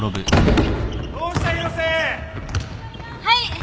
はい！